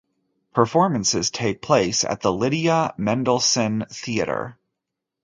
Performances take place at the Lydia Mendelssohn Theater.